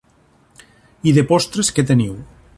I de postres què teniu?